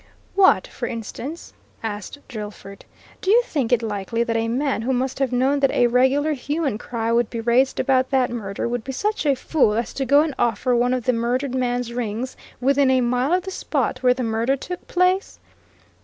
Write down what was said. "What, for instance?" asked Drillford. "Do you think it likely that a man who must have known that a regular hue and cry would be raised about that murder, would be such a fool as to go and offer one of the murdered man's rings within a mile of the spot where the murder took place?"